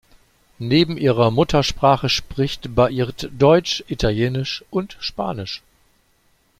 Neben ihrer Muttersprache spricht Baird Deutsch, Italienisch und Spanisch.